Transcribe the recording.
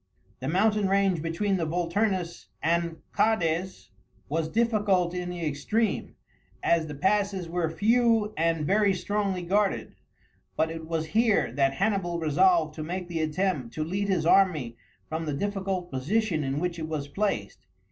The mountain range between the Vulturnus and Cades was difficult in the extreme, as the passes were few and very strongly guarded, but it was here that Hannibal resolved to make the attempt to lead his army from the difficult position in which it was placed.